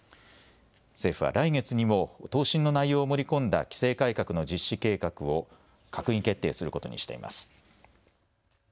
政府は来月にも答申の内容を盛り込んだ規制改革の実施計画を閣議決定することにしています。